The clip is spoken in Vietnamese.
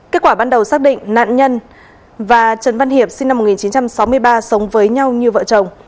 kết quả ban đầu xác định nạn nhân và trần văn hiệp sinh năm một nghìn chín trăm sáu mươi ba sống với nhau như vợ chồng